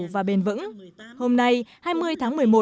và bền vững hôm nay hai mươi tháng một mươi một